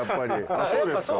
あっそうですか。